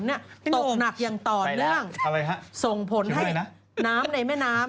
ตกหนักอย่างต่อเนื่องอะไรฮะส่งผลให้น้ำในแม่น้ำ